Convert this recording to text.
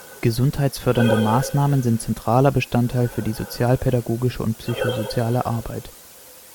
Gesundheitsfördernde Maßnahmen sind zentraler Bestandteil für die sozialpädagogische und psychosoziale Arbeit.